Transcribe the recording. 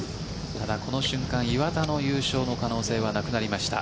この瞬間、岩田の優勝の可能性はなくなりました。